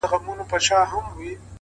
دا هوښیاري نه غواړم، عقل ناباب راکه،